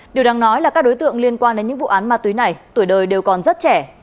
điều đáng nói là các đối tượng liên quan đến những vụ án ma túy này tuổi đời đều còn rất trẻ